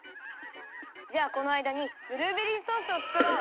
じゃあこのあいだにブルーベリーソースをつくろう！